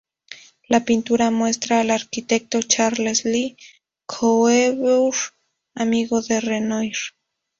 La pintura muestra al arquitecto Charles Le Coeur, amigo de Renoir.